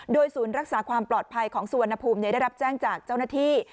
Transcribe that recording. โดยศูนย์รักษาความปลอดภัยของสุวรรณภูมิได้รับแจ้งจากเจ้าหน้าที่